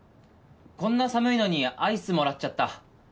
こんな寒いのにアイスもらっちゃった。